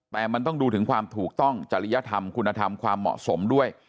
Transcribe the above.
แต่มันต้องดูถึงความถูกต้องจริยธรรมคุณธรรมความเหมาะสมด้วย